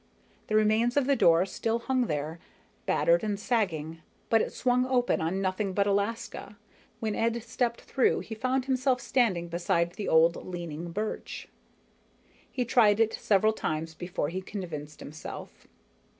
The remains of the door still hung there, battered and sagging; but it swung open on nothing but Alaska, when Ed stepped through he found himself standing beside the old leaning birch. He tried it several times before he convinced himself.